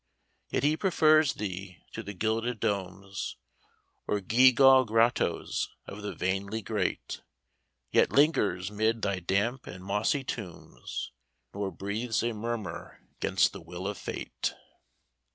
"Yet he prefers thee to the gilded domes, Or gewgaw grottoes of the vainly great; Yet lingers mid thy damp and mossy tombs, Nor breathes a murmur 'gainst the will of fate."